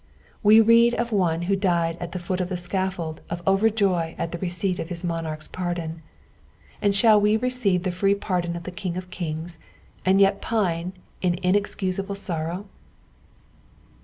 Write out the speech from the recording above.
We rend ol one who died at the foot of the BcaHold of overjoy at the receipt of liis monarch's pardon ; and sh&U we receive the free pardon of the King of kingn and yet piue in inexcusable sorrow!